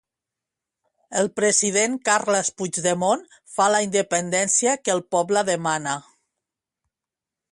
El President Carles Puigdemont fa la independència que el poble demana